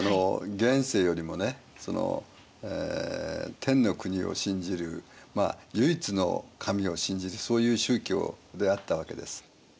現世よりもね天の国を信じるまあ唯一の神を信じるそういう宗教であったわけです。